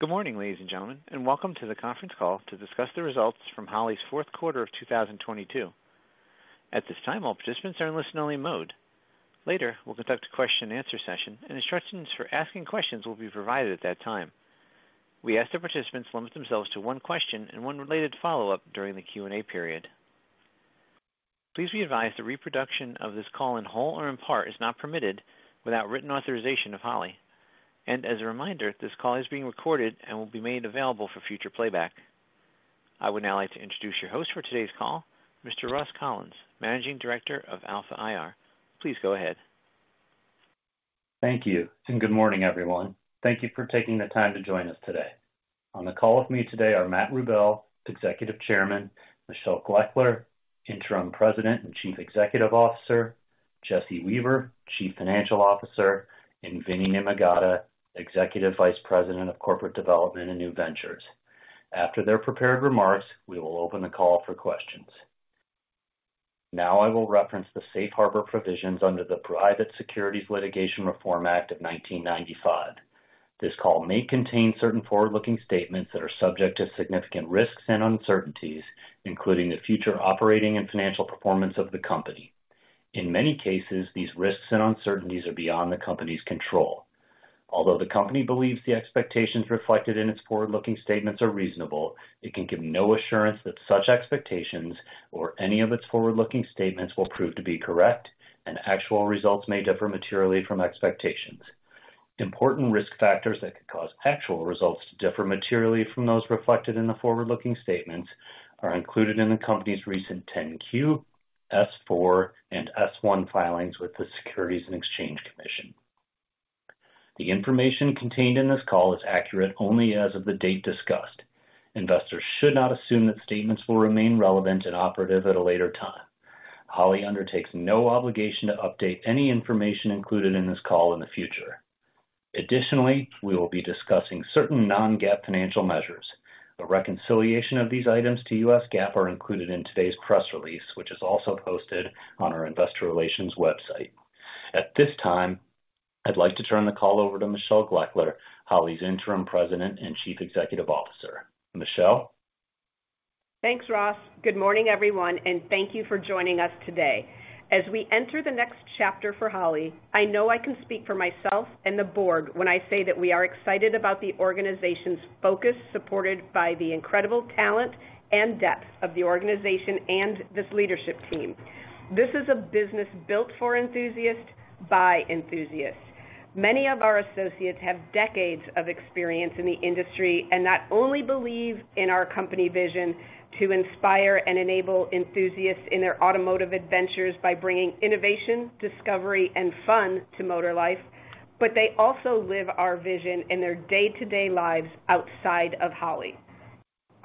Good morning, ladies and gentlemen, welcome to the conference call to discuss the results from Holley's fourth quarter of 2022. At this time, all participants are in listen only mode. Later, we'll conduct a question and answer session and instructions for asking questions will be provided at that time. We ask that participants limit themselves to one question and one related follow-up during the Q&A period. Please be advised the reproduction of this call in whole or in part is not permitted without written authorization of Holley. As a reminder, this call is being recorded and will be made available for future playback. I would now like to introduce your host for today's call, Mr. Ross Collins, Managing Director of Alpha IR. Please go ahead. Thank you and good morning, everyone. Thank you for taking the time to join us today. On the call with me today are Matt Rubel, Executive Chairman, Michelle Gloeckler, Interim President and Chief Executive Officer, Jesse Weaver, Chief Financial Officer, and Vinny Nimmagadda, Executive Vice President of Corporate Development and New Ventures. After their prepared remarks, we will open the call for questions. Now I will reference the Safe Harbor provisions under the Private Securities Litigation Reform Act of 1995. This call may contain certain forward-looking statements that are subject to significant risks and uncertainties, including the future operating and financial performance of the company. In many cases, these risks and uncertainties are beyond the company's control. Although the company believes the expectations reflected in its forward-looking statements are reasonable, it can give no assurance that such expectations or any of its forward-looking statements will prove to be correct, and actual results may differ materially from expectations. Important risk factors that could cause actual results to differ materially from those reflected in the forward-looking statements are included in the company's recent 10-Q, S-4, and S-1 filings with the Securities and Exchange Commission. The information contained in this call is accurate only as of the date discussed. Investors should not assume that statements will remain relevant and operative at a later time. Holley undertakes no obligation to update any information included in this call in the future. Additionally, we will be discussing certain non-GAAP financial measures. The reconciliation of these items to U.S. GAAP are included in today's press release, which is also posted on our investor relations website. At this time, I'd like to turn the call over to Michelle Gloeckler, Holley's Interim President and Chief Executive Officer. Michelle. Thanks, Ross. Good morning, everyone, and thank you for joining us today. As we enter the next chapter for Holley, I know I can speak for myself and the board when I say that we are excited about the organization's focus, supported by the incredible talent and depth of the organization and this leadership team. This is a business built for enthusiasts by enthusiasts. Many of our associates have decades of experience in the industry and not only believe in our company vision to inspire and enable enthusiasts in their automotive adventures by bringing innovation, discovery and fun to motor life, but they also live our vision in their day to day lives outside of Holley.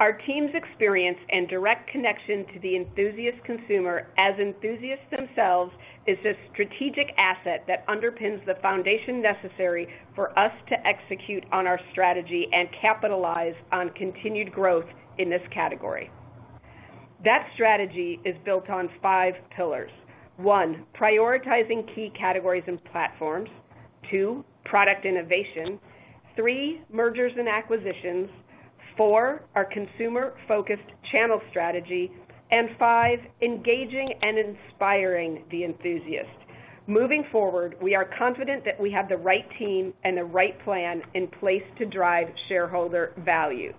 Our team's experience and direct connection to the enthusiast consumer as enthusiasts themselves is a strategic asset that underpins the foundation necessary for us to execute on our strategy and capitalize on continued growth in this category. That strategy is built on five pillars. one, prioritizing key categories and platforms. two, product innovation. three, mergers and acquisitions. four, our consumer-focused channel strategy. Five, engaging and inspiring the enthusiast. Moving forward, we are confident that we have the right team and the right plan in place to drive shareholder value.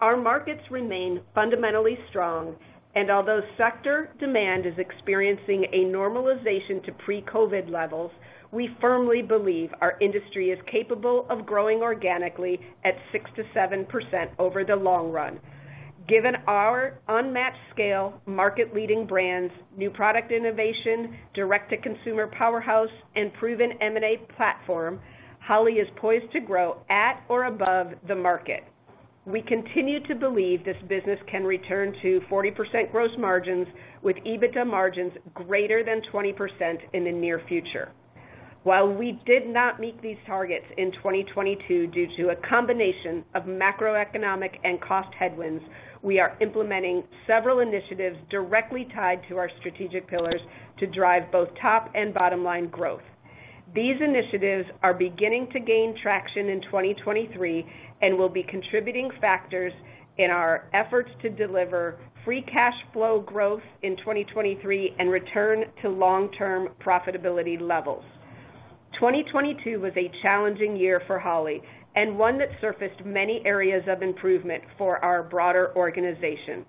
Our markets remain fundamentally strong, and although sector demand is experiencing a normalization to pre-COVID levels, we firmly believe our industry is capable of growing organically at 6%-7% over the long run. Given our unmatched scale, market leading brands, new product innovation, direct to consumer powerhouse, and proven M&A platform, Holley is poised to grow at or above the market. We continue to believe this business can return to 40% gross margins with EBITDA margins greater than 20% in the near future. While we did not meet these targets in 2022 due to a combination of macroeconomic and cost headwinds, we are implementing several initiatives directly tied to our strategic pillars to drive both top and bottom line growth. These initiatives are beginning to gain traction in 2023 and will be contributing factors in our efforts to deliver free cash flow growth in 2023 and return to long term profitability levels. 2022 was a challenging year for Holley and one that surfaced many areas of improvement for our broader organization.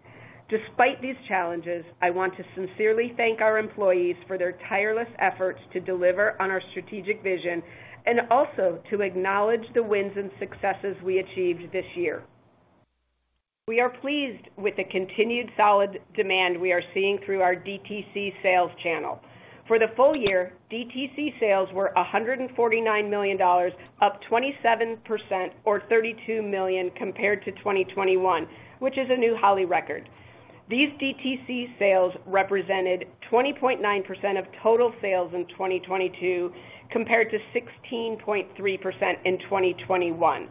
Despite these challenges, I want to sincerely thank our employees for their tireless efforts to deliver on our strategic vision and also to acknowledge the wins and successes we achieved this year. We are pleased with the continued solid demand we are seeing through our DTC sales channel. For the full year, DTC sales were $149 million, up 27% or $32 million compared to 2021, which is a new Holley record. These DTC sales represented 20.9% of total sales in 2022 compared to 16.3% in 2021.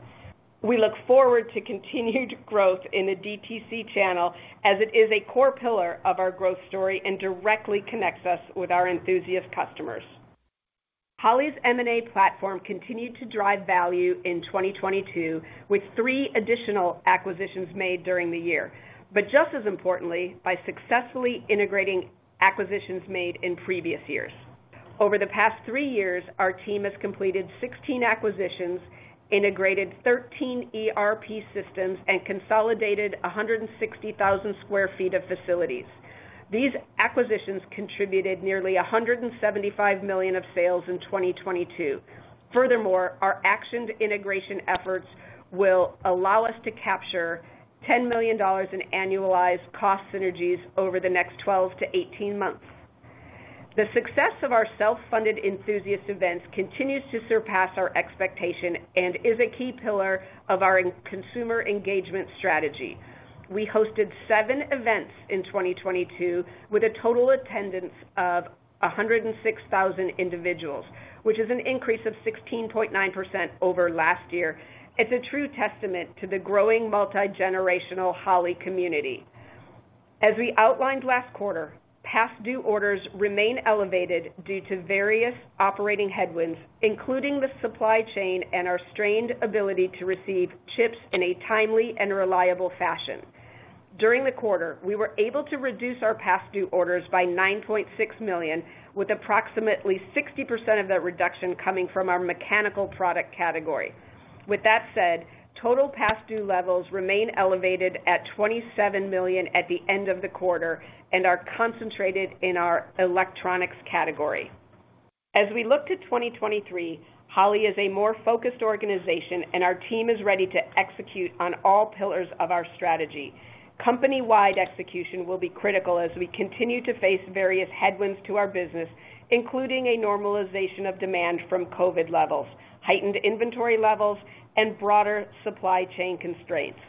We look forward to continued growth in the DTC channel as it is a core pillar of our growth story and directly connects us with our enthusiast customers. Holley's M&A platform continued to drive value in 2022, with three additional acquisitions made during the year, but just as importantly, by successfully integrating acquisitions made in previous years. Over the past three years, our team has completed 16 acquisitions, integrated 13 ERP systems, and consolidated 160,000 sq ft of facilities. These acquisitions contributed nearly $175 million of sales in 2022. Furthermore, our actioned integration efforts will allow us to capture $10 million in annualized cost synergies over the next 12 to 18 months. The success of our self-funded enthusiast events continues to surpass our expectation and is a key pillar of our consumer engagement strategy. We hosted seven events in 2022, with a total attendance of 106,000 individuals, which is an increase of 16.9% over last year. It's a true testament to the growing multi-generational Holley community. As we outlined last quarter, past due orders remain elevated due to various operating headwinds, including the supply chain and our strained ability to receive chips in a timely and reliable fashion. During the quarter, we were able to reduce our past due orders by $9.6 million, with approximately 60% of that reduction coming from our mechanical product category. With that said, total past due levels remain elevated at $27 million at the end of the quarter and are concentrated in our electronics category. As we look to 2023, Holley is a more focused organization, and our team is ready to execute on all pillars of our strategy. Company-wide execution will be critical as we continue to face various headwinds to our business, including a normalization of demand from COVID levels, heightened inventory levels, and broader supply chain constraints.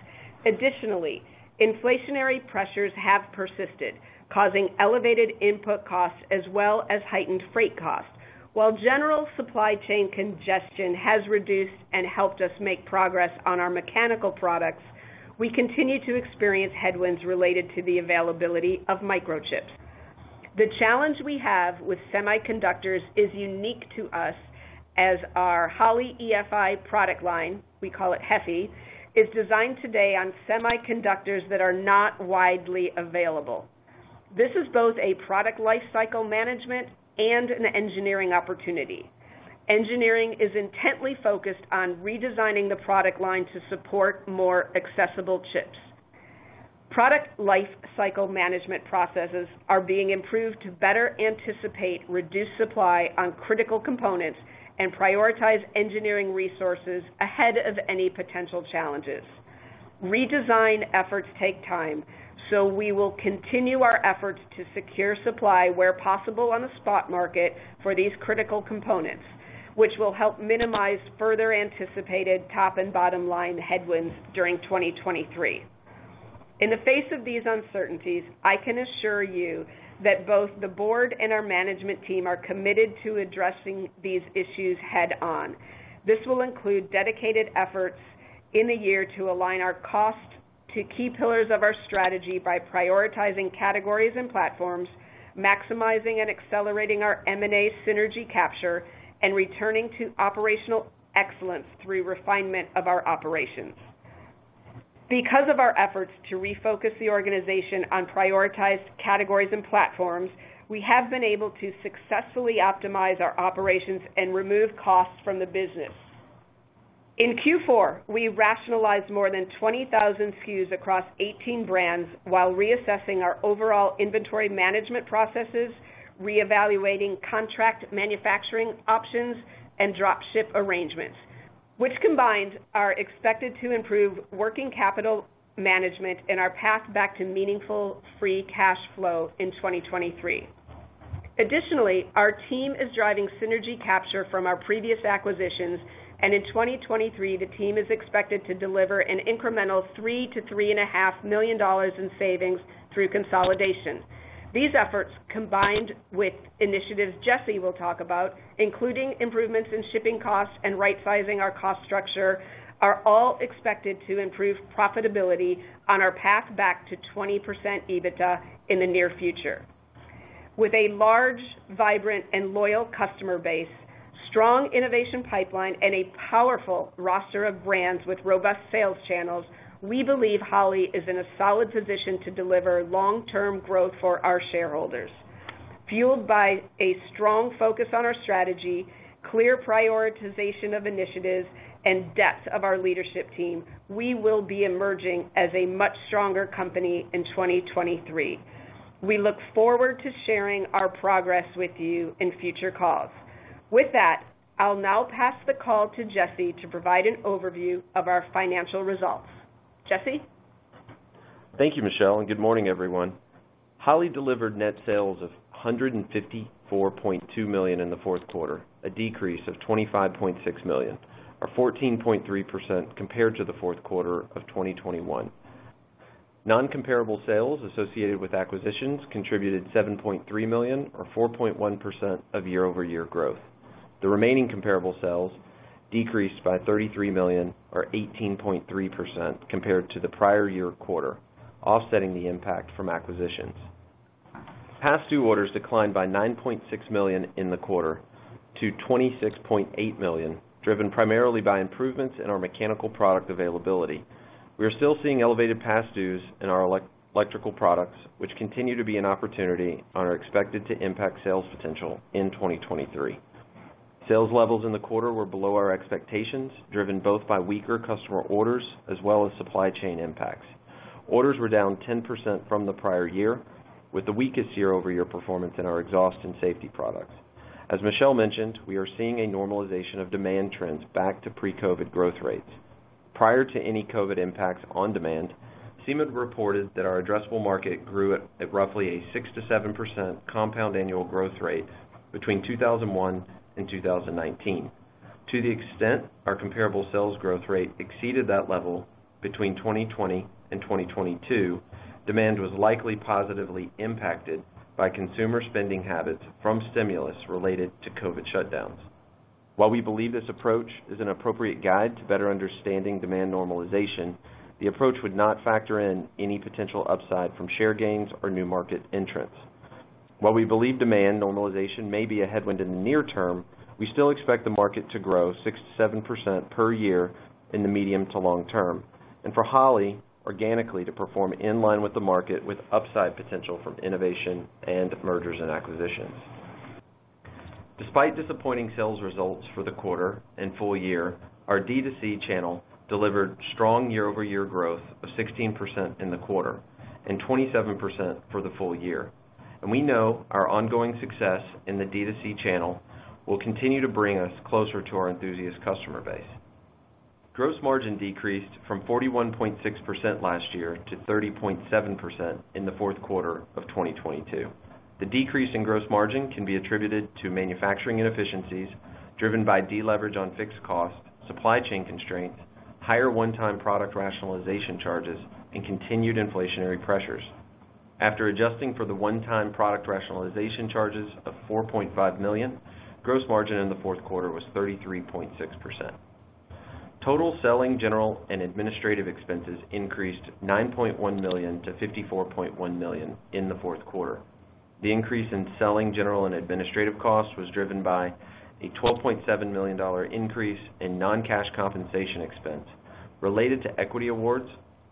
Additionally, inflationary pressures have persisted, causing elevated input costs as well as heightened freight costs. While general supply chain congestion has reduced and helped us make progress on our mechanical products, we continue to experience headwinds related to the availability of microchips. The challenge we have with semiconductors is unique to us as our Holley EFI product line, we call it HEFI, is designed today on semiconductors that are not widely available. This is both a product lifecycle management and an engineering opportunity. Engineering is intently focused on redesigning the product line to support more accessible chips. Product lifecycle management processes are being improved to better anticipate reduced supply on critical components and prioritize engineering resources ahead of any potential challenges. Redesign efforts take time. We will continue our efforts to secure supply where possible on the spot market for these critical components, which will help minimize further anticipated top and bottom line headwinds during 2023. In the face of these uncertainties, I can assure you that both the board and our management team are committed to addressing these issues head-on. This will include dedicated efforts in the year to align our cost to key pillars of our strategy by prioritizing categories and platforms, maximizing and accelerating our M&A synergy capture, and returning to operational excellence through refinement of our operations. Because of our efforts to refocus the organization on prioritized categories and platforms, we have been able to successfully optimize our operations and remove costs from the business. In Q4, we rationalized more than 20,000 SKUs across 18 brands while reassessing our overall inventory management processes, reevaluating contract manufacturing options, and drop ship arrangements, which combined are expected to improve working capital management and our path back to meaningful free cash flow in 2023. Additionally, our team is driving synergy capture from our previous acquisitions, and in 2023, the team is expected to deliver an incremental $3 million to three and a half million dollars in savings through consolidation. These efforts, combined with initiatives Jesse will talk about, including improvements in shipping costs and right sizing our cost structure, are all expected to improve profitability on our path back to 20% EBITDA in the near future. With a large, vibrant, and loyal customer base, strong innovation pipeline, and a powerful roster of brands with robust sales channels, we believe Holley is in a solid position to deliver long-term growth for our shareholders. Fueled by a strong focus on our strategy, clear prioritization of initiatives, and depth of our leadership team, we will be emerging as a much stronger company in 2023. We look forward to sharing our progress with you in future calls. With that, I'll now pass the call to Jesse to provide an overview of our financial results. Jesse? Thank you, Michelle. Good morning, everyone. Holley delivered net sales of $154.2 million in the fourth quarter, a decrease of $25.6 million or 14.3% compared to the fourth quarter of 2021. Non-comparable sales associated with acquisitions contributed $7.3 million or 4.1% of year-over-year growth. The remaining comparable sales decreased by $33 million or 18.3% compared to the prior year quarter, offsetting the impact from acquisitions. Past due orders declined by $9.6 million in the quarter to $26.8 million, driven primarily by improvements in our mechanical product availability. We are still seeing elevated past dues in our electrical products, which continue to be an opportunity and are expected to impact sales potential in 2023. Sales levels in the quarter were below our expectations, driven both by weaker customer orders as well as supply chain impacts. Orders were down 10% from the prior year, with the weakest year-over-year performance in our exhaust and safety products. As Michelle mentioned, we are seeing a normalization of demand trends back to pre-COVID growth rates. Prior to any COVID impacts on demand, SEMA reported that our addressable market grew at roughly a 6%-7% compound annual growth rate between 2001 and 2019. To the extent our comparable sales growth rate exceeded that level between 2020 and 2022, demand was likely positively impacted by consumer spending habits from stimulus related to COVID shutdowns. While we believe this approach is an appropriate guide to better understanding demand normalization, the approach would not factor in any potential upside from share gains or new market entrants. While we believe demand normalization may be a headwind in the near term, we still expect the market to grow 6%-7% per year in the medium to long term. For Holley, organically to perform in line with the market with upside potential from innovation and mergers and acquisitions. Despite disappointing sales results for the quarter and full year, our D2C channel delivered strong year-over-year growth of 16% in the quarter and 27% for the full year. We know our ongoing success in the D2C channel will continue to bring us closer to our enthusiast customer base. Gross margin decreased from 41.6% last year to 30.7% in the fourth quarter of 2022. The decrease in gross margin can be attributed to manufacturing inefficiencies driven by deleverage on fixed costs, supply chain constraints, higher one-time product rationalization charges, and continued inflationary pressures. After adjusting for the one-time product rationalization charges of $4.5 million, gross margin in the fourth quarter was 33.6%. Total selling, general, and administrative expenses increased $9.1 million to $54.1 million in the fourth quarter. The increase in selling, general, and administrative costs was driven by a $12.7 million increase in non-cash compensation expense related to equity awards,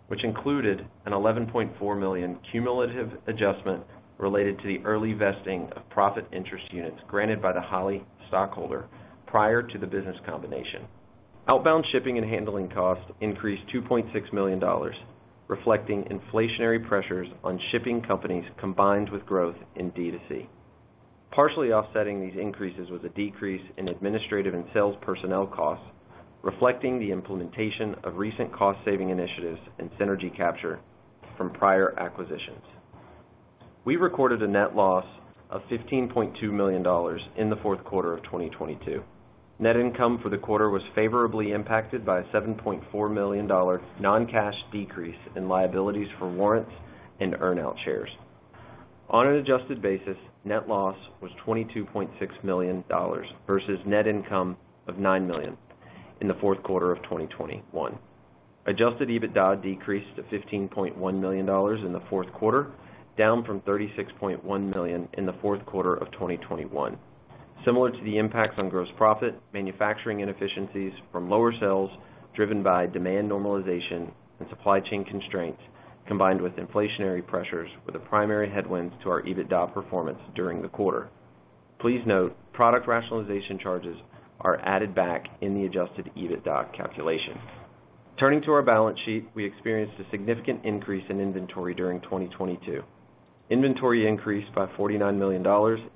which included an $11.4 million cumulative adjustment related to the early vesting of profits interest units granted by the Holley stockholder prior to the business combination. Outbound shipping and handling costs increased $2.6 million, reflecting inflationary pressures on shipping companies combined with growth in D2C. Partially offsetting these increases was a decrease in administrative and sales personnel costs, reflecting the implementation of recent cost-saving initiatives and synergy capture from prior acquisitions. We recorded a net loss of $15.2 million in the fourth quarter of 2022. Net income for the quarter was favorably impacted by a $7.4 million non-cash decrease in liabilities for warrants and earn out shares. On an adjusted basis, net loss was $22.6 million versus net income of $9 million in the fourth quarter of 2021. Adjusted EBITDA decreased to $15.1 million in the fourth quarter, down from $36.1 million in the fourth quarter of 2021. Similar to the impacts on gross profit, manufacturing inefficiencies from lower sales driven by demand normalization and supply chain constraints, combined with inflationary pressures were the primary headwinds to our EBITDA performance during the quarter. Please note, product rationalization charges are added back in the adjusted EBITDA calculation. Turning to our balance sheet, we experienced a significant increase in inventory during 2022. Inventory increased by $49 million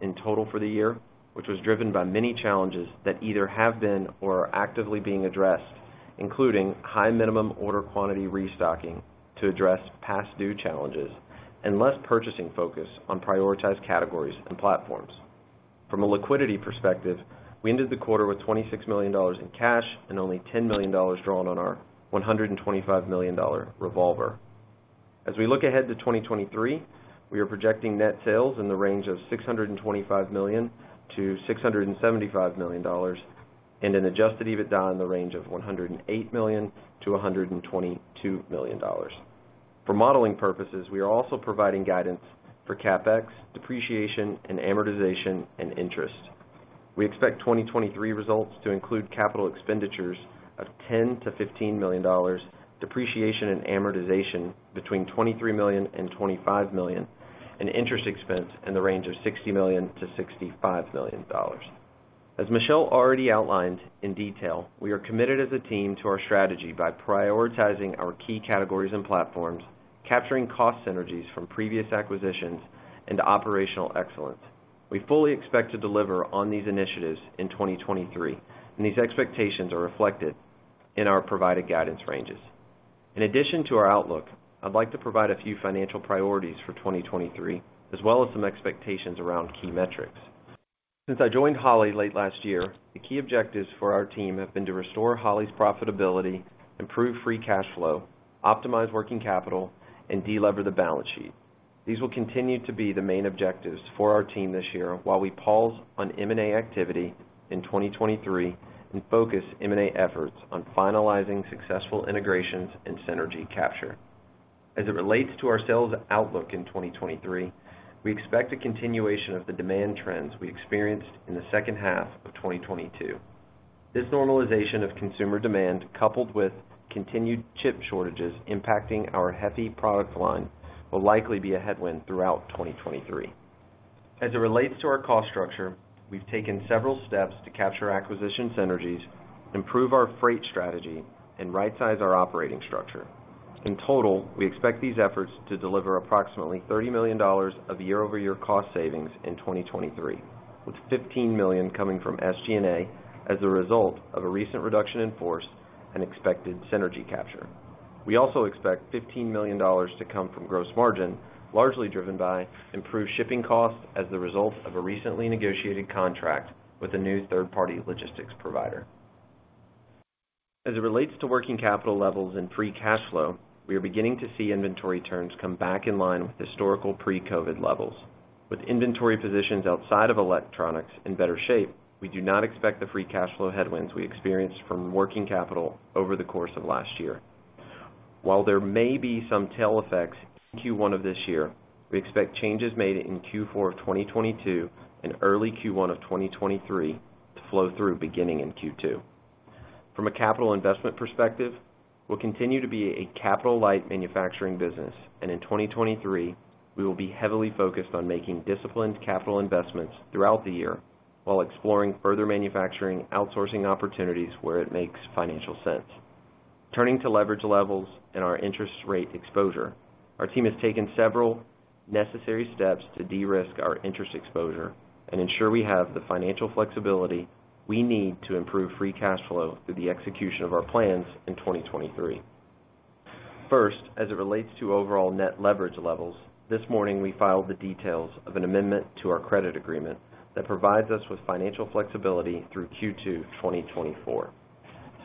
in total for the year, which was driven by many challenges that either have been or are actively being addressed, including high minimum order quantity restocking to address past due challenges and less purchasing focus on prioritized categories and platforms. From a liquidity perspective, we ended the quarter with $26 million in cash and only $10 million drawn on our $125 million revolver. As we look ahead to 2023, we are projecting net sales in the range of $625 million-$675 million and an adjusted EBITDA in the range of $108 million-$122 million. For modeling purposes, we are also providing guidance for CapEx, depreciation, and amortization, and interest. We expect 2023 results to include capital expenditures of $10 million-$15 million, depreciation and amortization between $23 million and $25 million, and interest expense in the range of $60 million-$65 million. As Michelle Gloeckler already outlined in detail, we are committed as a team to our strategy by prioritizing our key categories and platforms, capturing cost synergies from previous acquisitions and operational excellence. We fully expect to deliver on these initiatives in 2023. These expectations are reflected in our provided guidance ranges. In addition to our outlook, I'd like to provide a few financial priorities for 2023 as well as some expectations around key metrics. Since I joined Holley late last year, the key objectives for our team have been to restore Holley's profitability, improve free cash flow, optimize working capital, and de-lever the balance sheet. These will continue to be the main objectives for our team this year while we pause on M&A activity in 2023 and focus M&A efforts on finalizing successful integrations and synergy capture. As it relates to our sales outlook in 2023, we expect a continuation of the demand trends we experienced in the second half of 2022. This normalization of consumer demand, coupled with continued chip shortages impacting our HEFI product line, will likely be a headwind throughout 2023. As it relates to our cost structure, we've taken several steps to capture acquisition synergies, improve our freight strategy, and right-size our operating structure. In total, we expect these efforts to deliver approximately $30 million of year-over-year cost savings in 2023, with $15 million coming from SG&A as a result of a recent reduction in force and expected synergy capture. We also expect $15 million to come from gross margin, largely driven by improved shipping costs as the result of a recently negotiated contract with a new third-party logistics provider. As it relates to working capital levels and free cash flow, we are beginning to see inventory turns come back in line with historical pre-COVID levels. With inventory positions outside of electronics in better shape, we do not expect the free cash flow headwinds we experienced from working capital over the course of last year. While there may be some tail effects in Q1 of this year, we expect changes made in Q4 of 2022 and early Q1 of 2023 to flow through beginning in Q2. From a capital investment perspective, we'll continue to be a capital-light manufacturing business, and in 2023, we will be heavily focused on making disciplined capital investments throughout the year while exploring further manufacturing outsourcing opportunities where it makes financial sense. Turning to leverage levels and our interest rate exposure. Our team has taken several necessary steps to de-risk our interest exposure and ensure we have the financial flexibility we need to improve free cash flow through the execution of our plans in 2023. First, as it relates to overall net leverage levels, this morning we filed the details of an amendment to our credit agreement that provides us with financial flexibility through Q2 2024.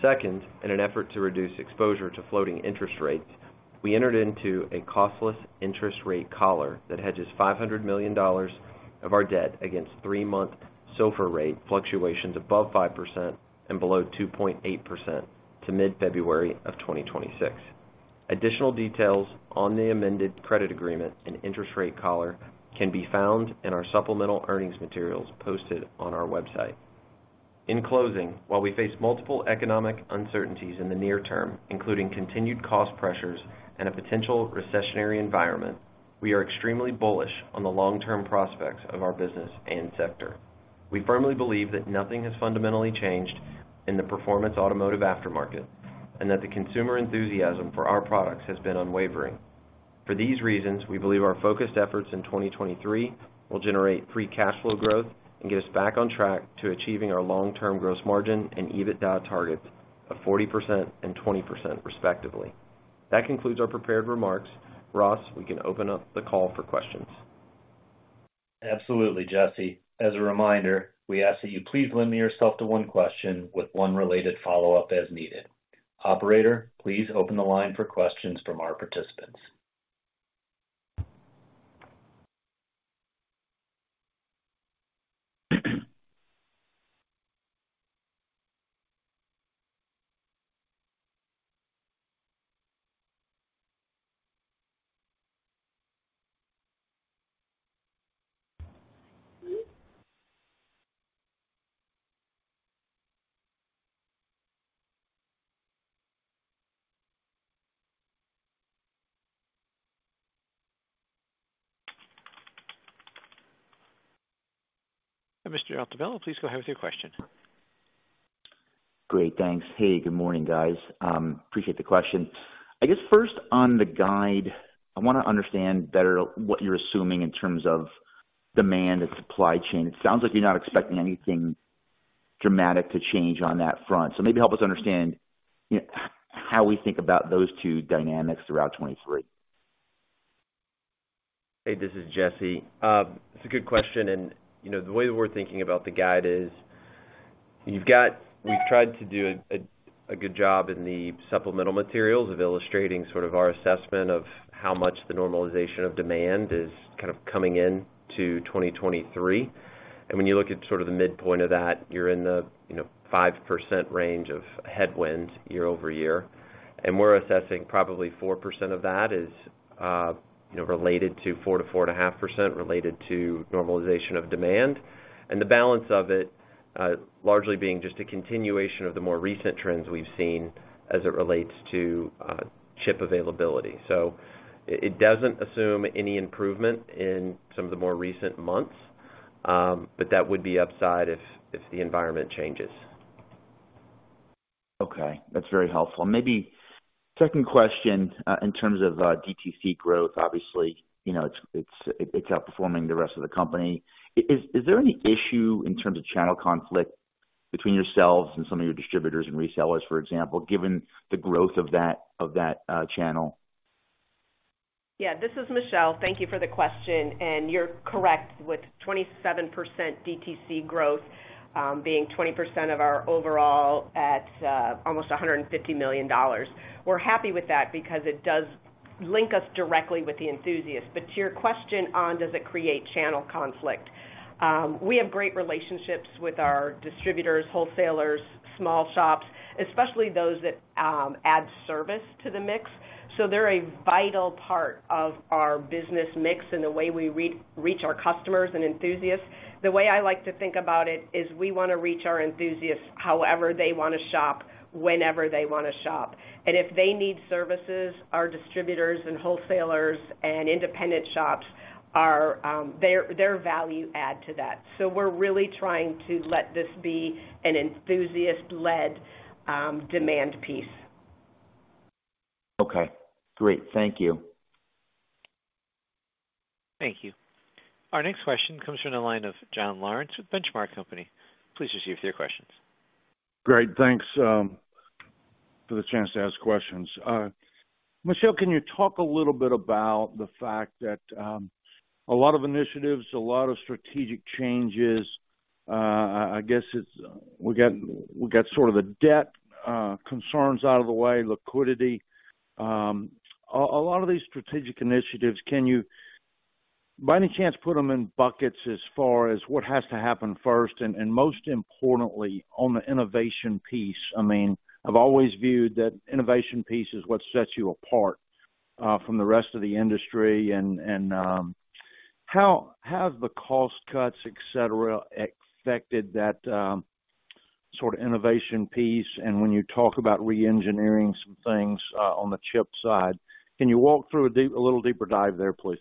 Second, in an effort to reduce exposure to floating interest rates, we entered into a costless interest rate collar that hedges $500 million of our debt against three-month SOFR rate fluctuations above 5% and below 2.8% to mid-February of 2026. Additional details on the amended credit agreement and interest rate collar can be found in our supplemental earnings materials posted on our website. In closing, while we face multiple economic uncertainties in the near term, including continued cost pressures and a potential recessionary environment, we are extremely bullish on the long-term prospects of our business and sector. We firmly believe that nothing has fundamentally changed in the performance automotive aftermarket, and that the consumer enthusiasm for our products has been unwavering. For these reasons, we believe our focused efforts in 2023 will generate free cash flow growth and get us back on track to achieving our long-term gross margin and EBITDA targets of 40% and 20% respectively. That concludes our prepared remarks. Ross, we can open up the call for questions. Absolutely, Jesse. As a reminder, we ask that you please limit yourself to one question with one related follow-up as needed. Operator, please open the line for questions from our participants. Mr. Altobello, please go ahead with your question. Great, thanks. Hey, good morning, guys. Appreciate the question. I guess first on the guide, I wanna understand better what you're assuming in terms of demand and supply chain. It sounds like you're not expecting anything dramatic to change on that front. Maybe help us understand, you know, how we think about those two dynamics throughout 2023. Hey, this is Jesse. It's a good question, you know, the way that we're thinking about the guide is We've tried to do a good job in the supplemental materials of illustrating sort of our assessment of how much the normalization of demand is kind of coming in to 2023. When you look at sort of the midpoint of that, you're in the, you know, 5% range of headwinds year-over-year. We're assessing probably 4% of that is, you know, related to 4%-4.5% related to normalization of demand, and the balance of it largely being just a continuation of the more recent trends we've seen as it relates to chip availability. It doesn't assume any improvement in some of the more recent months, but that would be upside if the environment changes. Okay, that's very helpful. Maybe second question, in terms of DTC growth. Obviously, you know, it's outperforming the rest of the company. Is there any issue in terms of channel conflict between yourselves and some of your distributors and resellers, for example, given the growth of that channel? Yeah, this is Michelle. Thank you for the question. You're correct, with 27% DTC growth, being 20% of our overall at almost $150 million. We're happy with that because it does link us directly with the enthusiasts. To your question on does it create channel conflict? We have great relationships with our distributors, wholesalers, small shops, especially those that add service to the mix. They're a vital part of our business mix and the way we re-reach our customers and enthusiasts. The way I like to think about it is we wanna reach our enthusiasts however they wanna shop, whenever they wanna shop. If they need services, our distributors and wholesalers and independent shops are they're value add to that. We're really trying to let this be an enthusiast-led demand piece. Okay, great. Thank you. Thank you. Our next question comes from the line of John Lawrence with Benchmark Company. Please proceed with your questions. Great. Thanks for the chance to ask questions. Michelle, can you talk a little bit about the fact that a lot of initiatives, a lot of strategic changes, I guess we got sort of the debt concerns out of the way, liquidity. A lot of these strategic initiatives, can you, by any chance, put them in buckets as far as what has to happen first? Most importantly, on the innovation piece, I mean, I've always viewed that innovation piece is what sets you apart from the rest of the industry. How have the cost cuts, et cetera, affected that sort of innovation piece? When you talk about reengineering some things on the chips side, can you walk through a little deeper dive there, please?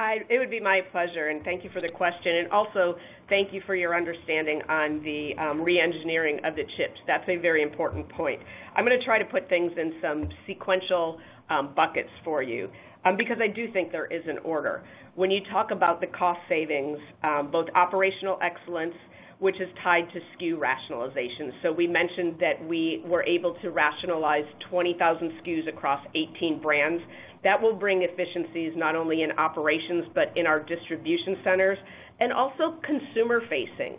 It would be my pleasure. Thank you for the question. Also thank you for your understanding on the reengineering of the chips. That's a very important point. I'm gonna try to put things in some sequential buckets for you because I do think there is an order. When you talk about the cost savings, both operational excellence, which is tied to SKU rationalization. We mentioned that we were able to rationalize 20,000 SKUs across 18 brands. That will bring efficiencies not only in operations, but in our distribution centers and also consumer facing.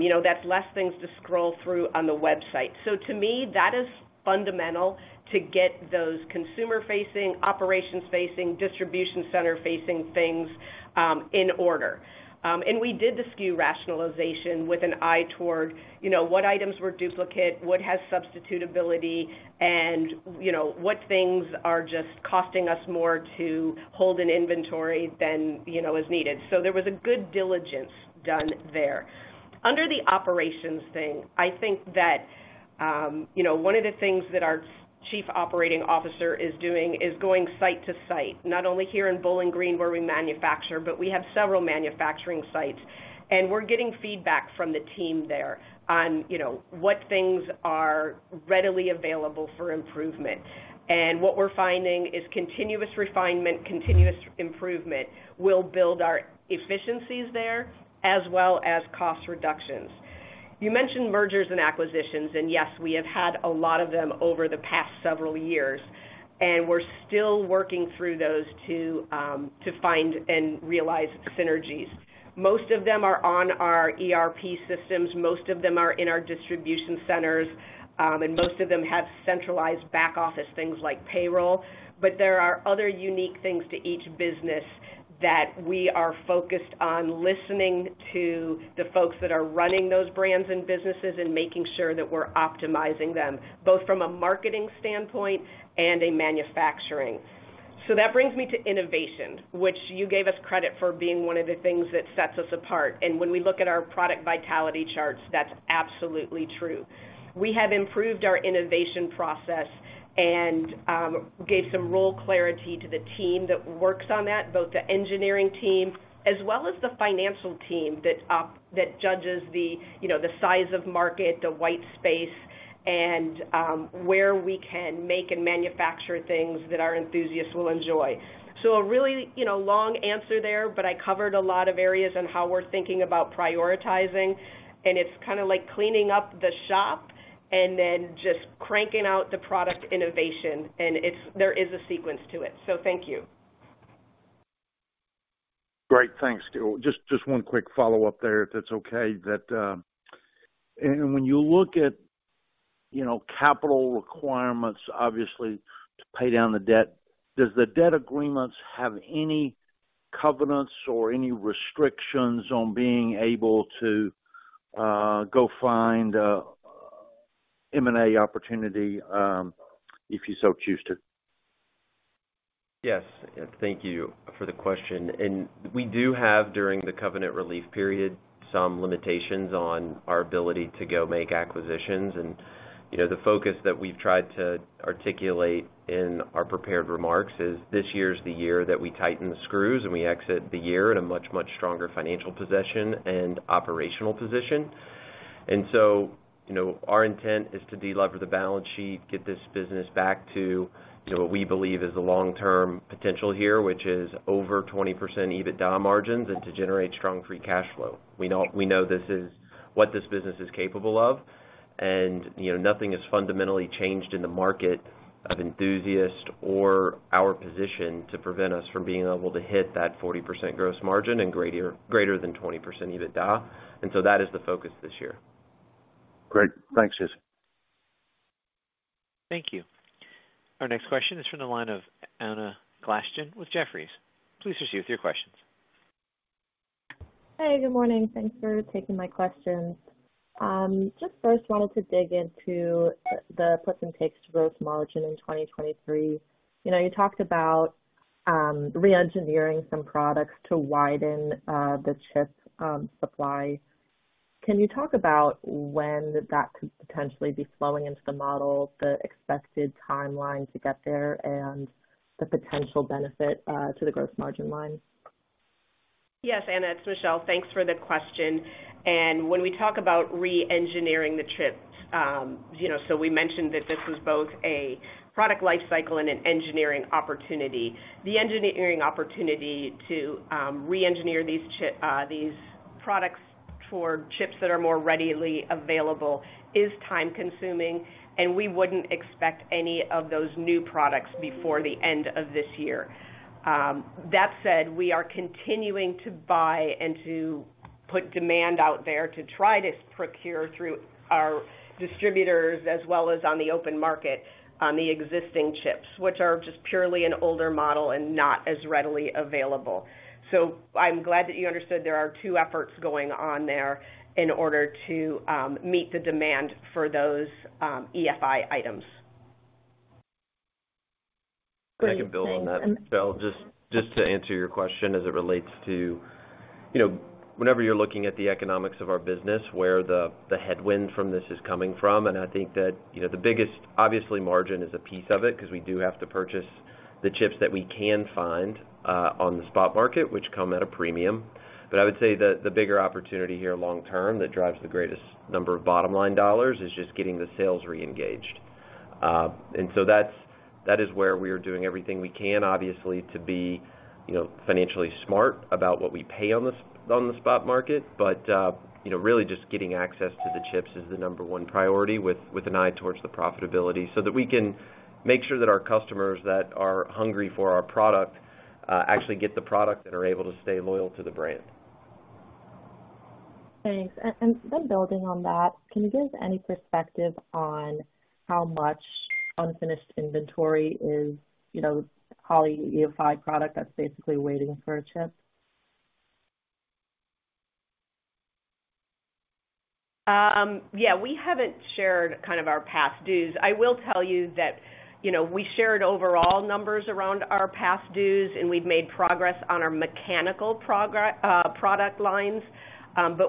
You know, that's less things to scroll through on the website. To me, that is fundamental to get those consumer facing, operations facing, distribution center facing things in order. We did the SKU rationalization with an eye toward, you know, what items were duplicate, what has substitutability, and, you know, what things are just costing us more to hold an inventory than, you know, is needed. There was a good diligence done there. Under the operations thing, I think that, you know, one of the things that our chief operating officer is doing is going site to site, not only here in Bowling Green, where we manufacture, but we have several manufacturing sites, and we're getting feedback from the team there on, you know, what things are readily available for improvement. What we're finding is continuous refinement, continuous improvement will build our efficiencies there as well as cost reductions. You mentioned mergers and acquisitions. Yes, we have had a lot of them over the past several years, and we're still working through those to find and realize synergies. Most of them are on our ERP systems, most of them are in our distribution centers, and most of them have centralized back-office things like payroll. There are other unique things to each business that we are focused on listening to the folks that are running those brands and businesses and making sure that we're optimizing them, both from a marketing standpoint and a manufacturing. That brings me to innovation, which you gave us credit for being one of the things that sets us apart. When we look at our product vitality charts, that's absolutely true. We have improved our innovation process and gave some role clarity to the team that works on that, both the engineering team as well as the financial team that judges the, you know, the size of market, the white space, and where we can make and manufacture things that our enthusiasts will enjoy. A really, you know, long answer there, but I covered a lot of areas on how we're thinking about prioritizing, and it's kinda like cleaning up the shop and then just cranking out the product innovation. There is a sequence to it. Thank you. Great. Thanks. Just one quick follow-up there, if that's okay. When you look at, you know, capital requirements, obviously to pay down the debt, does the debt agreements have any covenants or any restrictions on being able to go find M&A opportunity, if you so choose to? Yes. Thank you for the question. We do have, during the covenant relief period, some limitations on our ability to go make acquisitions. You know, the focus that we've tried to articulate in our prepared remarks is this year's the year that we tighten the screws and we exit the year in a much, much stronger financial position and operational position. You know, our intent is to delever the balance sheet, get this business back to, you know, what we believe is the long-term potential here, which is over 20% EBITDA margins, and to generate strong free cash flow. We know this is what this business is capable of. You know, nothing has fundamentally changed in the market of enthusiast or our position to prevent us from being able to hit that 40% gross margin and greater than 20% EBITDA. That is the focus this year. Great. Thanks, Jesse. Thank you. Our next question is from the line of Anna Glaessgen with Jefferies. Please proceed with your questions. Hey, good morning. Thanks for taking my questions. Just first wanted to dig into the puts and takes gross margin in 2023. You know, you talked about re-engineering some products to widen the chip supply. Can you talk about when that could potentially be flowing into the model, the expected timeline to get there, and the potential benefit to the gross margin line? Yes, Anna, it's Michelle. Thanks for the question. When we talk about re-engineering the chips, you know, we mentioned that this was both a product life cycle and an engineering opportunity. The engineering opportunity to re-engineer these products for chips that are more readily available is time-consuming, and we wouldn't expect any of those new products before the end of this year. That said, we are continuing to buy and to put demand out there to try to procure through our distributors as well as on the open market on the existing chips, which are just purely an older model and not as readily available. I'm glad that you understood there are two efforts going on there in order to meet the demand for those, EFI items. Great. Thanks. If I can build on that, Michelle, just to answer your question as it relates to, you know, whenever you're looking at the economics of our business, where the headwind from this is coming from. I think that, you know, the biggest, obviously margin is a piece of it because we do have to purchase the chips that we can find on the spot market, which come at a premium. I would say that the bigger opportunity here long term that drives the greatest number of bottom-line dollars is just getting the sales reengaged. That is where we are doing everything we can, obviously, to be, you know, financially smart about what we pay on the spot market. You know, really just getting access to the chips is the number one priority with an eye towards the profitability so that we can make sure that our customers that are hungry for our product, actually get the product and are able to stay loyal to the brand. Thanks. Then building on that, can you give any perspective on how much unfinished inventory is, you know, Holley EFI product that's basically waiting for a chip? Yeah, we haven't shared kind of our past dues. I will tell you that, you know, we shared overall numbers around our past dues, and we've made progress on our mechanical product lines.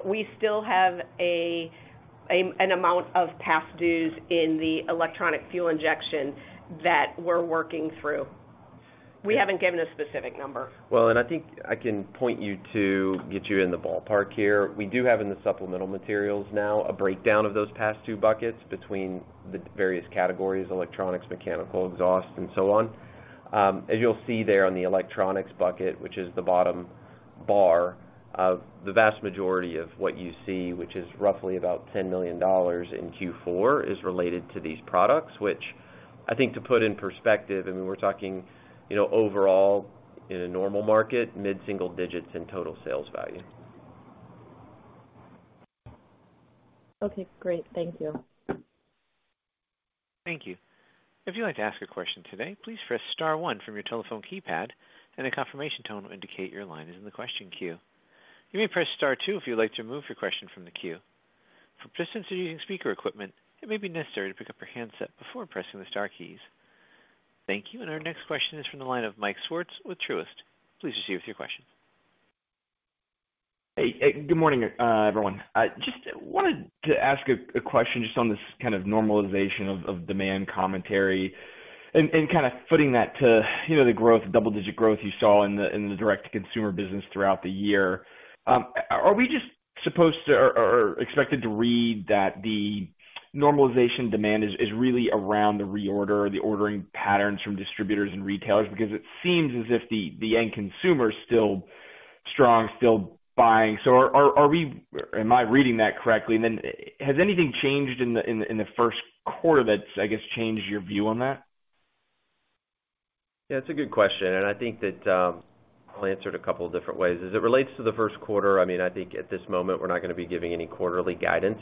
We still have an amount of past dues in the Electronic Fuel Injection that we're working through. We haven't given a specific number. I think I can point you to get you in the ballpark here. We do have in the supplemental materials now a breakdown of those past-due buckets between the various categories, electronics, mechanical exhaust, and so on. As you'll see there on the electronics bucket, which is the bottom bar, of the vast majority of what you see, which is roughly about $10 million in Q4, is related to these products, which I think to put in perspective, I mean, we're talking, you know, overall in a normal market, mid-single digits in total sales value. Okay, great. Thank you. Thank you. If you'd like to ask a question today, please press star one from your telephone keypad and a confirmation tone will indicate your line is in the question queue. You may press star two if you'd like to remove your question from the queue. For participants using speaker equipment, it may be necessary to pick up your handset before pressing the star keys. Thank you. Our next question is from the line of Mike Swartz with Truist. Please proceed with your question. Good morning, everyone. I just wanted to ask a question just on this kind of normalization of demand commentary and kind of footing that to, you know, the growth, double-digit growth you saw in the direct-to-consumer business throughout the year. Are we just supposed to or expected to read that the normalization demand is really around the reorder or the ordering patterns from distributors and retailers? It seems as if the end consumer is still strong, still buying. Am I reading that correctly? Has anything changed in the first quarter that's, I guess, changed your view on that? It's a good question, and I think that I'll answer it a couple of different ways. As it relates to the first quarter, I mean, I think at this moment, we're not gonna be giving any quarterly guidance.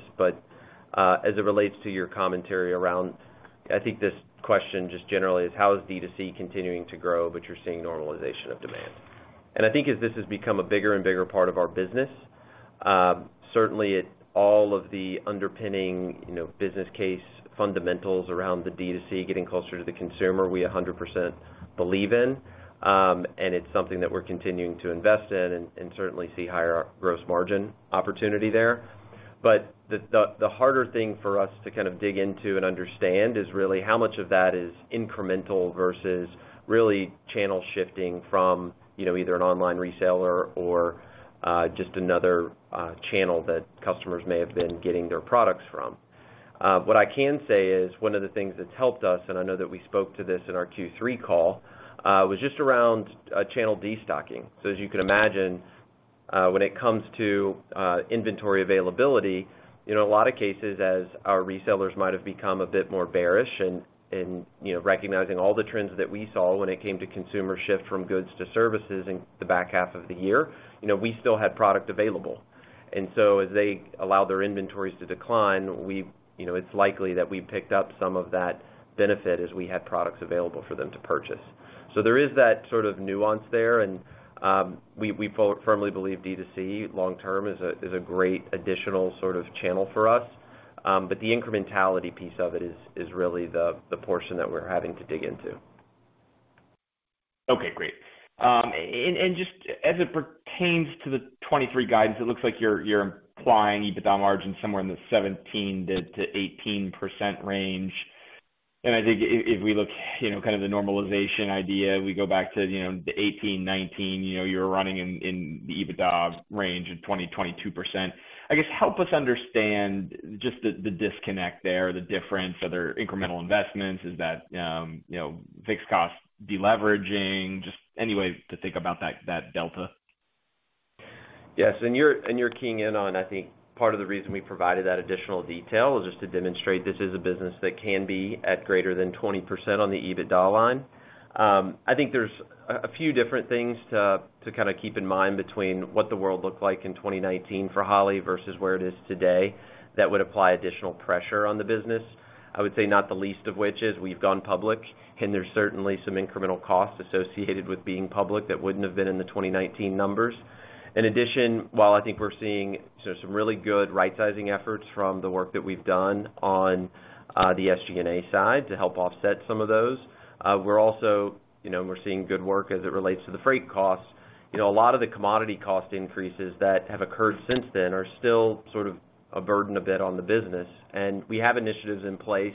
As it relates to your commentary around, I think this question just generally is how is D2C continuing to grow, but you're seeing normalization of demand. I think as this has become a bigger and bigger part of our business, certainly all of the underpinning, you know, business case fundamentals around the D2C getting closer to the consumer, we 100% believe in. And it's something that we're continuing to invest in and certainly see higher gross margin opportunity there. The harder thing for us to kind of dig into and understand is really how much of that is incremental versus really channel shifting from, you know, either an online reseller or, just another channel that customers may have been getting their products from. What I can say is one of the things that's helped us, and I know that we spoke to this in our Q3 call, was just around channel destocking. As you can imagine, when it comes to inventory availability, you know, a lot of cases, as our resellers might have become a bit more bearish and, you know, recognizing all the trends that we saw when it came to consumer shift from goods to services in the back half of the year, you know, we still had product available. As they allow their inventories to decline, you know, it's likely that we picked up some of that benefit as we had products available for them to purchase. There is that sort of nuance there, and we firmly believe D2C long term is a great additional sort of channel for us. But the incrementality piece of it is really the portion that we're having to dig into. Okay, great. Just as it pertains to the '23 guidance, it looks like you're implying EBITDA margin somewhere in the 17%-18% range. I think if we look, you know, kind of the normalization idea, we go back to, you know, the '18, '19, you know, you're running in the EBITDA range of 20%-22%. I guess help us understand just the disconnect there, the difference. Are there incremental investments? Is that, you know, fixed cost de-leveraging? Just any way to think about that delta. Yes. You're keying in on, I think, part of the reason we provided that additional detail is just to demonstrate this is a business that can be at greater than 20% on the EBITDA line. I think there's a few different things to kinda keep in mind between what the world looked like in 2019 for Holley versus where it is today that would apply additional pressure on the business. I would say not the least of which is we've gone public. There's certainly some incremental costs associated with being public that wouldn't have been in the 2019 numbers. In addition, while I think we're seeing some really good rightsizing efforts from the work that we've done on the SG&A side to help offset some of those, we're also, you know, we're seeing good work as it relates to the freight costs. You know, a lot of the commodity cost increases that have occurred since then are still sort of a burden a bit on the business. We have initiatives in place.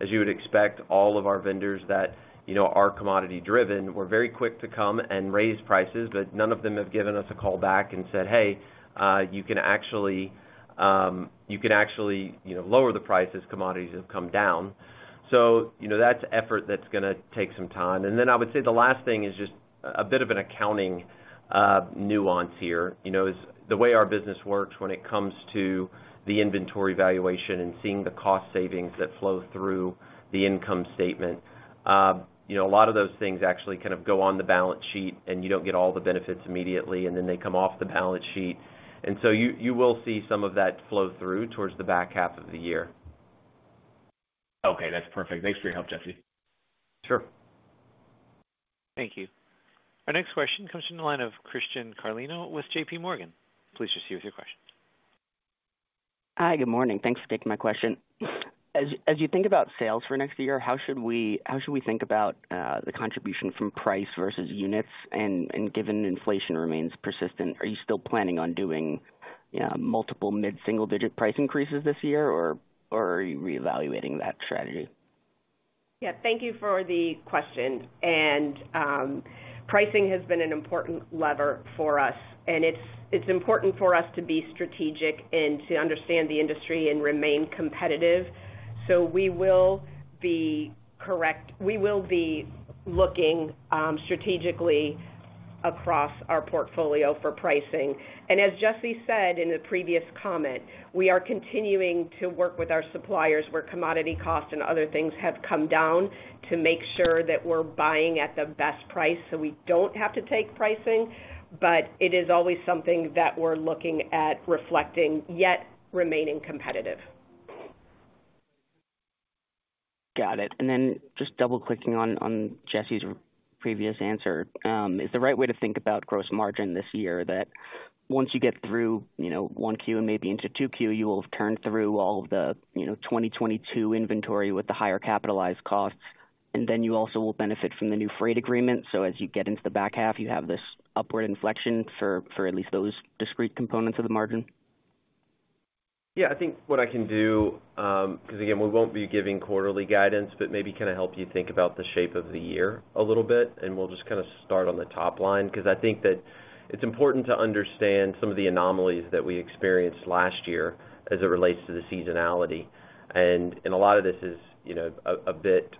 As you would expect, all of our vendors that, you know, are commodity-driven were very quick to come and raise prices, but none of them have given us a call back and said, "Hey, you can actually, you know, lower the price as commodities have come down." You know, that's effort that's gonna take some time. I would say the last thing is just a bit of an accounting nuance here. You know, the way our business works when it comes to the inventory valuation and seeing the cost savings that flow through the income statement, you know, a lot of those things actually kind of go on the balance sheet, and you don't get all the benefits immediately, and then they come off the balance sheet. You, you will see some of that flow through towards the back half of the year. Okay, that's perfect. Thanks for your help, Jesse. Sure. Thank you. Our next question comes from the line of Christian Carlino with JPMorgan. Please proceed with your question. Hi, good morning. Thanks for taking my question. As you think about sales for next year, how should we think about the contribution from price versus units? Given inflation remains persistent, are you still planning on doing, you know, multiple mid-single-digit price increases this year, or are you reevaluating that strategy? Yeah, thank you for the question. pricing has been an important lever for us, and it's important for us to be strategic and to understand the industry and remain competitive. We will be looking strategically across our portfolio for pricing. as Jesse said in a previous comment, we are continuing to work with our suppliers where commodity costs and other things have come down to make sure that we're buying at the best price so we don't have to take pricing. it is always something that we're looking at reflecting, yet remaining competitive. Got it. Just double-clicking on Jesse's previous answer, is the right way to think about gross margin this year that once you get through, you know, 1Q and maybe into 2Q, you will have turned through all of the, you know, 2022 inventory with the higher capitalized costs, and then you also will benefit from the new freight agreement? As you get into the back half, you have this upward inflection for at least those discrete components of the margin. Yeah. I think what I can do, 'cause again, we won't be giving quarterly guidance, but maybe kinda help you think about the shape of the year a little bit, and we'll just kinda start on the top line, 'cause I think that it's important to understand some of the anomalies that we experienced last year as it relates to the seasonality. A lot of this is, you know, a bit,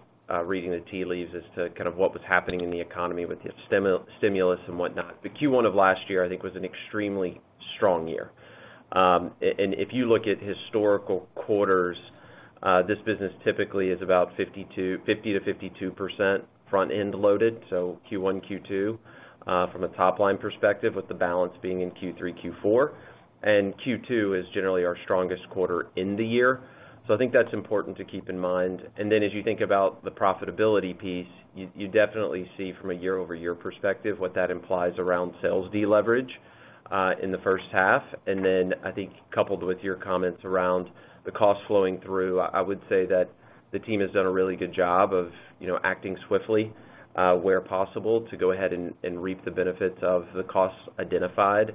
reading the tea leaves as to kind of what was happening in the economy with the stimulus and whatnot. The Q1 of last year, I think, was an extremely strong year. If you look at historical quarters, this business typically is about 50-52% front-end loaded, so Q1, Q2, from a top-line perspective, with the balance being in Q3, Q4. Q2 is generally our strongest quarter in the year. I think that's important to keep in mind. As you think about the profitability piece, you definitely see from a year-over-year perspective what that implies around sales de-leverage in the first half. I think coupled with your comments around the cost flowing through, I would say that the team has done a really good job of, you know, acting swiftly where possible to go ahead and reap the benefits of the costs identified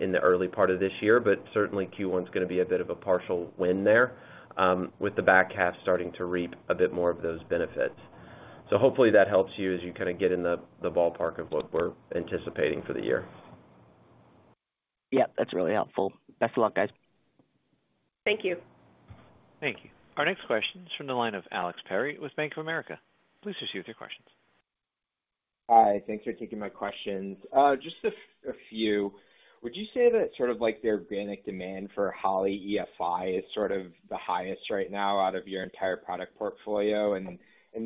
in the early part of this year. Certainly Q1 is gonna be a bit of a partial win there with the back half starting to reap a bit more of those benefits. Hopefully that helps you as you kinda get in the ballpark of what we're anticipating for the year. Yeah. That's really helpful. Best of luck, guys. Thank you. Thank you. Our next question is from the line of Alex Perry with Bank of America. Please proceed with your questions. Hi. Thanks for taking my questions. just a few. Would you say that sort of like the organic demand for Holley EFI is sort of the highest right now out of your entire product portfolio and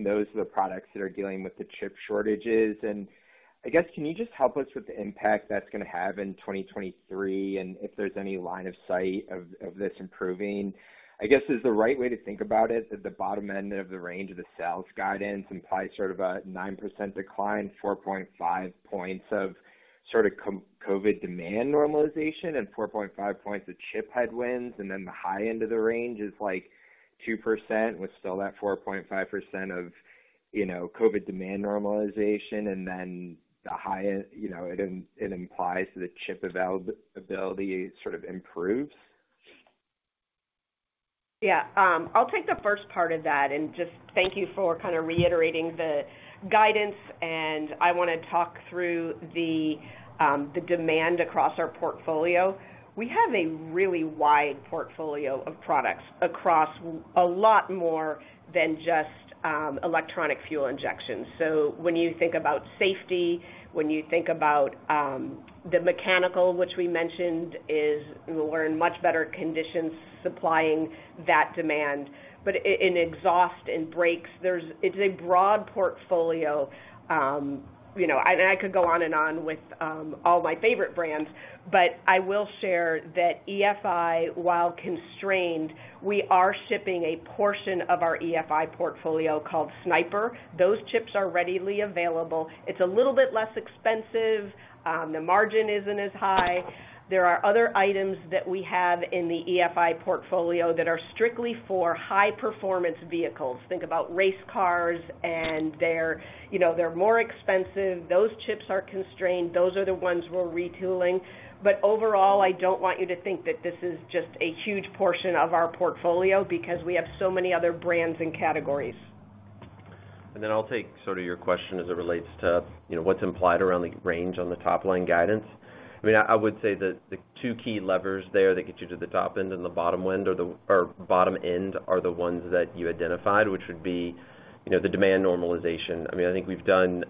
those are the products that are dealing with the chip shortages? I guess, can you just help us with the impact that's gonna have in 2023, and if there's any line of sight of this improving? I guess, is the right way to think about it that the bottom end of the range of the sales guidance implies sort of a 9% decline, 4.5 points of sort of COVID demand normalization and 4.5 points of chip headwinds, and then the high end of the range is like 2% with still that 4.5% of, you know, COVID demand normalization, and then the highest, you know, it implies that chip availability sort of improves? Yeah. I'll take the first part of that and just thank you for kind of reiterating the guidance. I wanna talk through the demand across our portfolio. We have a really wide portfolio of products across a lot more than just Electronic Fuel Injections. When you think about safety, when you think about the mechanical, which we mentioned is we're in much better conditions supplying that demand. In exhaust and brakes, it's a broad portfolio, you know. I could go on and on with all my favorite brands, but I will share that EFI, while constrained, we are shipping a portion of our EFI portfolio called Sniper. Those chips are readily available. It's a little bit less expensive. The margin isn't as high. There are other items that we have in the EFI portfolio that are strictly for high performance vehicles. Think about race cars. They're, you know, they're more expensive. Those chips are constrained. Those are the ones we're retooling. Overall, I don't want you to think that this is just a huge portion of our portfolio because we have so many other brands and categories. Then I'll take sort of your question as it relates to, you know, what's implied around the range on the top line guidance. I mean, I would say that the two key levers there that get you to the top end and the bottom wind or bottom end are the ones that you identified, which would be, you know, the demand normalization. I mean, I think we've done,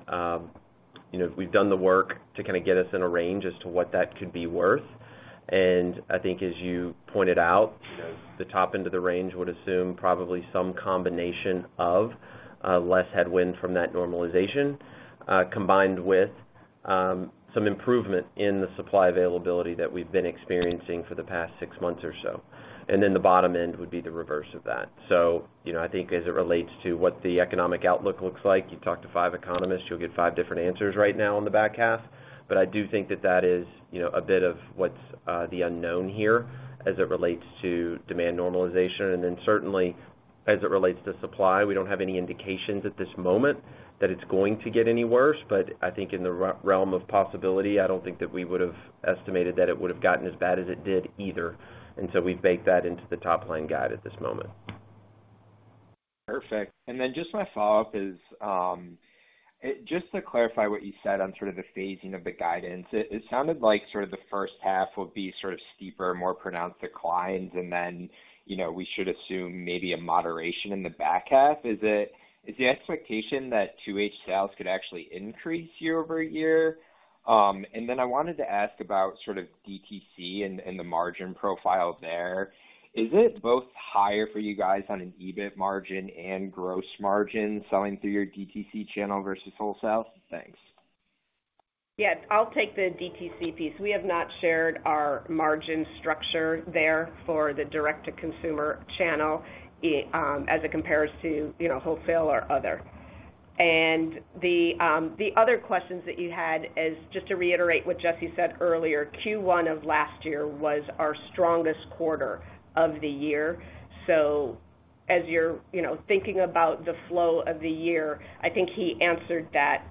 you know, we've done the work to kinda get us in a range as to what that could be worth. I think as you pointed out, the top end of the range would assume probably some combination of less headwind from that normalization, combined with some improvement in the supply availability that we've been experiencing for the past six months or so. Then the bottom end would be the reverse of that. You know, I think as it relates to what the economic outlook looks like, you talk to five economists, you'll get five different answers right now on the back half. I do think that that is, you know, a bit of what's the unknown here as it relates to demand normalization. Certainly, as it relates to supply, we don't have any indications at this moment that it's going to get any worse. I think in the realm of possibility, I don't think that we would've estimated that it would've gotten as bad as it did either. We baked that into the top line guide at this moment. Perfect. Just my follow-up is just to clarify what you said on sort of the phasing of the guidance. It sounded like sort of the first half would be sort of steeper, more pronounced declines and then, you know, we should assume maybe a moderation in the back half. Is the expectation that 2H sales could actually increase year-over-year? I wanted to ask about sort of DTC and the margin profile there. Is it both higher for you guys on an EBIT margin and gross margin selling through your DTC channel versus wholesale? Thanks. Yeah. I'll take the DTC piece. We have not shared our margin structure there for the direct to consumer channel, as it compares to, you know, wholesale or other. The other questions that you had is just to reiterate what Jesse said earlier, Q1 of last year was our strongest quarter of the year. As you're, you know, thinking about the flow of the year, I think he answered that,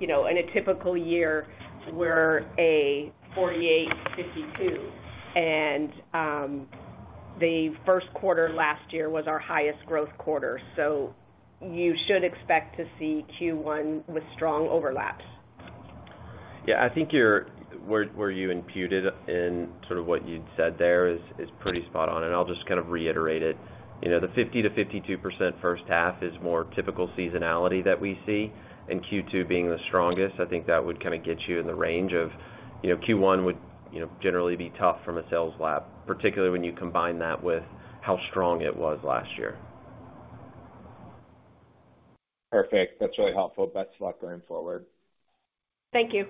you know, in a typical year, we're a 48%-52%, and the first quarter last year was our highest growth quarter. You should expect to see Q1 with strong overlaps. Yeah. I think where you imputed in sort of what you'd said there is pretty spot on. I'll just kind of reiterate it. You know, the 50%-52% first half is more typical seasonality that we see. Q2 being the strongest, I think that would kind of get you in the range of, you know, Q1 would, you know, generally be tough from a sales lap, particularly when you combine that with how strong it was last year. Perfect. That's really helpful. That's a lot going forward. Thank you.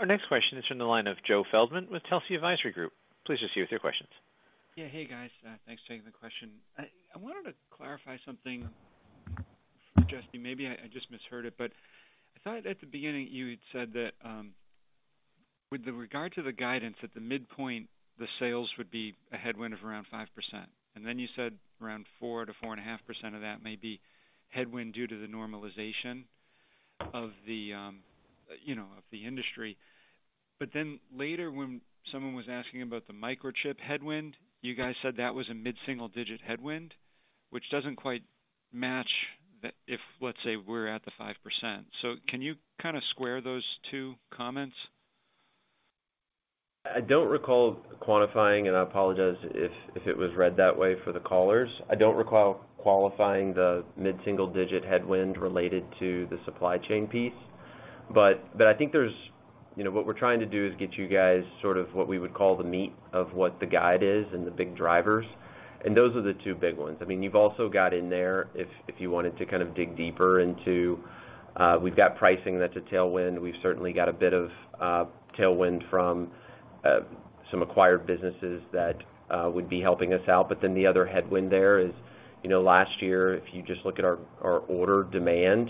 Our next question is from the line of Joe Feldman with Telsey Advisory Group. Please proceed with your questions. Yeah. Hey, guys. Thanks for taking the question. I wanted to clarify something, Jesse. Maybe I just misheard it, I thought at the beginning you had said that, with the regard to the guidance at the midpoint, the sales would be a headwind of around 5%. You said around 4%-4.5% of that may be headwind due to the normalization of the, you know, of the industry. Later when someone was asking about the microchip headwind, you guys said that was a mid-single digit headwind. Which doesn't quite match the... If, let's say, we're at the 5%. Can you kinda square those two comments? I don't recall quantifying, and I apologize if it was read that way for the callers. I don't recall qualifying the mid-single digit headwind related to the supply chain piece. I think there's, you know, what we're trying to do is get you guys sort of what we would call the meat of what the guide is and the big drivers, and those are the two big ones. I mean, you've also got in there, if you wanted to kind of dig deeper into, we've got pricing that's a tailwind. We've certainly got a bit of tailwind from some acquired businesses that would be helping us out. The other headwind there is, you know, last year, if you just look at our order demand,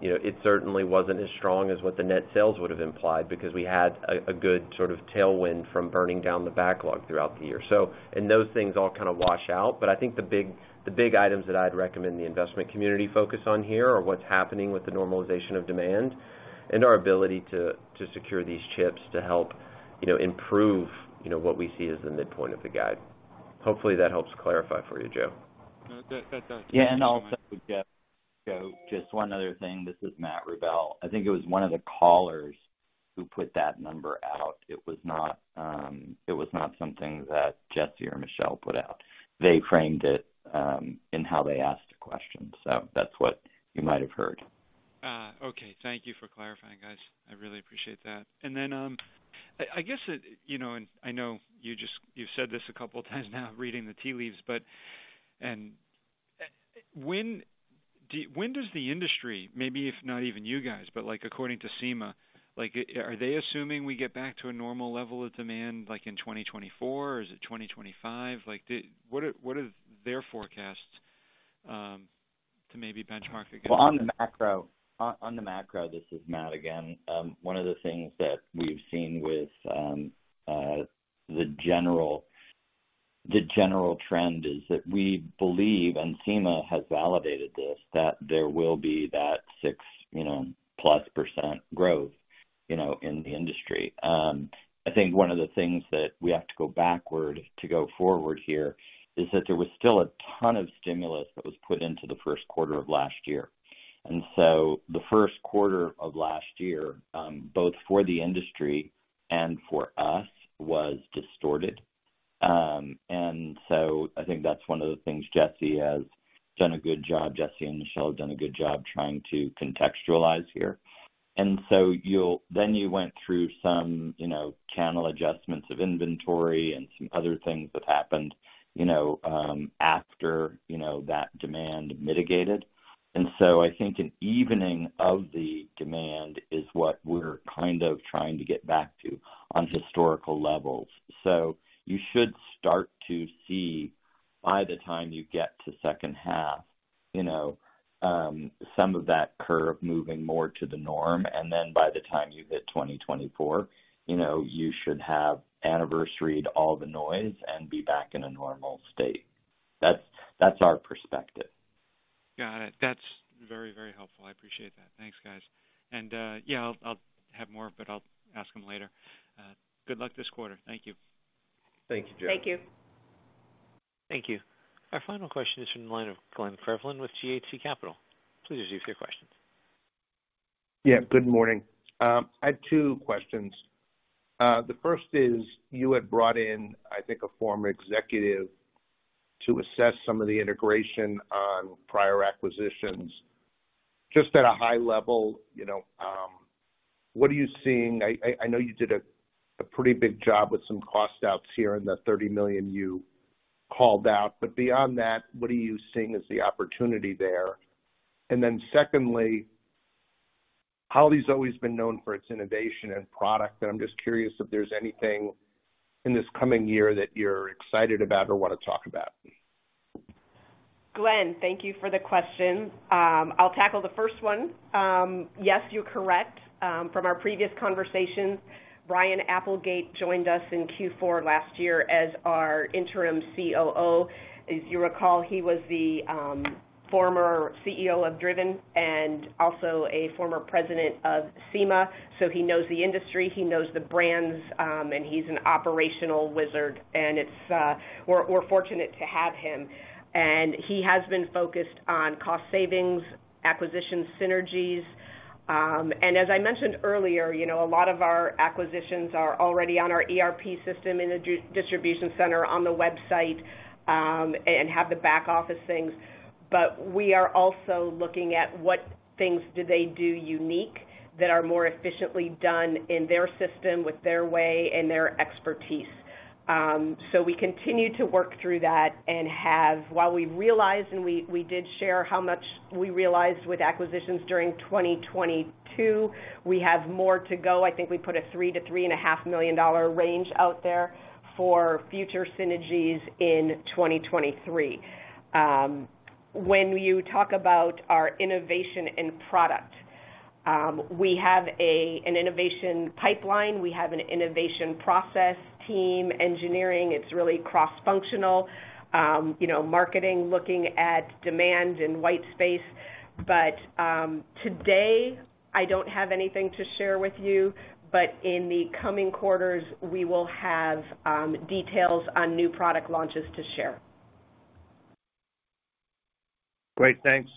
you know, it certainly wasn't as strong as what the net sales would have implied because we had a good sort of tailwind from burning down the backlog throughout the year, so. Those things all kind of wash out. I think the big items that I'd recommend the investment community focus on here are what's happening with the normalization of demand and our ability to secure these chips to help, you know, improve, you know, what we see as the midpoint of the guide. Hopefully that helps clarify for you, Joe. No, that does. Yeah. Also, Joe, just one other thing. This is Matt Rubel. I think it was one of the callers who put that number out. It was not something that Jesse or Michelle put out. They framed it in how they asked the question, so that's what you might have heard. Okay. Thank you for clarifying, guys. I really appreciate that. I guess it, you know, and I know you've said this a couple times now, reading the tea leaves, but. When does the industry, maybe if not even you guys, but, like, according to SEMA, like, are they assuming we get back to a normal level of demand, like, in 2024? Is it 2025? Like, what are their forecasts to maybe benchmark against? Well, on the macro, on the macro, this is Matt again, one of the things that we've seen with the general trend is that we believe, and SEMA has validated this, that there will be that 6, you know, plus % growth, you know, in the industry. I think one of the things that we have to go backward to go forward here is that there was still a ton of stimulus that was put into the first quarter of last year. The first quarter of last year, both for the industry and for us, was distorted. I think that's one of the things Jesse has done a good job, Jesse and Michelle have done a good job trying to contextualize here. Then you went through some, you know, channel adjustments of inventory and some other things that happened, you know, after, you know, that demand mitigated. I think an evening of the demand is what we're kind of trying to get back to on historical levels. You should start to see, by the time you get to second half, you know, some of that curve moving more to the norm. By the time you hit 2024, you know, you should have anniversaried all the noise and be back in a normal state. That's our perspective. Got it. That's very, very helpful. I appreciate that. Thanks, guys. Yeah, I'll have more, but I'll ask them later. Good luck this quarter. Thank you. Thank you, Joe. Thank you. Thank you. Our final question is from the line of Glenn Krevlin with Glenhill Capital. Please proceed with your questions. Yeah, good morning. I have two questions. The first is, you had brought in, I think, a former executive to assess some of the integration on prior acquisitions. Just at a high level, you know, what are you seeing? I know you did a pretty big job with some cost outs here in the $30 million you called out, but beyond that, what are you seeing as the opportunity there? Secondly, Holley's always been known for its innovation and product, and I'm just curious if there's anything in this coming year that you're excited about or wanna talk about. Glenn, thank you for the question. I'll tackle the first one. Yes, you're correct. From our previous conversations, Brian Applegate joined us in Q4 last year as our interim COO. If you recall, he was the former CEO of Driven and also a former president of SEMA. He knows the industry, he knows the brands, and he's an operational wizard. We're fortunate to have him. He has been focused on cost savings, acquisition synergies. As I mentioned earlier, you know, a lot of our acquisitions are already on our ERP system in the distribution center on the website and have the back office things. We are also looking at what things do they do unique that are more efficiently done in their system with their way and their expertise. We continue to work through that and have. While we realized, and we did share how much we realized with acquisitions during 2022, we have more to go. I think we put a $3 million-$3.5 million range out there for future synergies in 2023. When you talk about our innovation and product, we have an innovation pipeline. We have an innovation process team, engineering. It's really cross-functional. You know, marketing, looking at demand and white space. Today, I don't have anything to share with you, but in the coming quarters, we will have details on new product launches to share. Great. Thanks.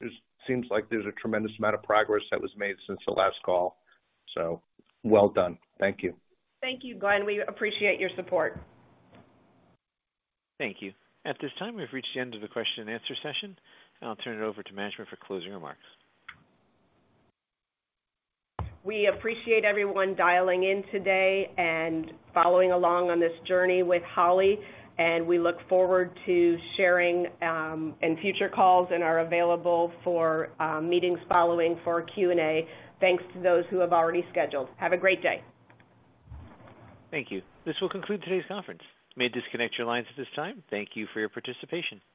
Just seems like there's a tremendous amount of progress that was made since the last call, so well done. Thank you. Thank you, Glenn. We appreciate your support. Thank you. At this time, we've reached the end of the question and answer session. I'll turn it over to management for closing remarks. We appreciate everyone dialing in today and following along on this journey with Holley, and we look forward to sharing in future calls and are available for meetings following for Q&A. Thanks to those who have already scheduled. Have a great day. Thank you. This will conclude today's conference. You may disconnect your lines at this time. Thank you for your participation.